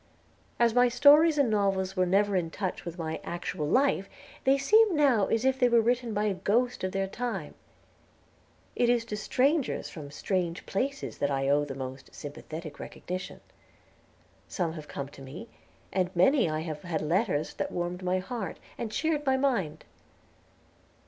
As my stories and novels were never in touch with my actual life, they seem now as if they were written by a ghost of their time. It is to strangers from strange places that I owe the most sympathetic recognition. Some have come to me, and from many I have had letters that warmed my heart, and cheered my mind.